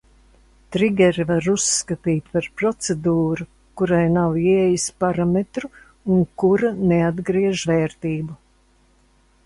Trigeri var uzskatīt par procedūru, kurai nav ieejas parametru un kura neatgriež vērtību.